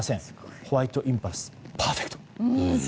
ホワイトインパルスパーフェクト！